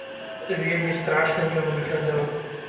Вельмі страшным ён выглядаў.